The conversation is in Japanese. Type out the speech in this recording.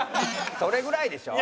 それぐらいでしょ？